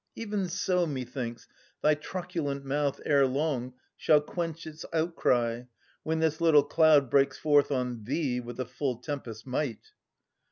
Even so methinks thy truculent mouth ere long Shall quench its outcry, when this little cloud Breaks forth on thee with the full tempest's might.